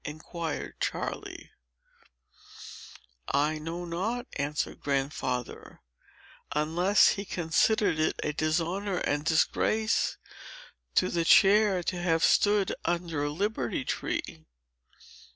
inquired Charley. "I know not," answered Grandfather, "unless he considered it a dishonor and disgrace to the chair to have stood under Liberty Tree.